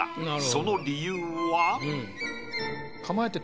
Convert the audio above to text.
その理由は。